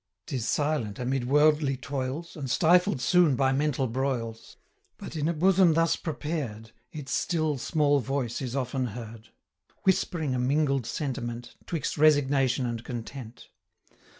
'Tis silent amid worldly toils, 140 And stifled soon by mental broils; But, in a bosom thus prepared, Its still small voice is often heard, Whispering a mingled sentiment, 'Twixt resignation and content.